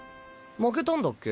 負けたんだっけ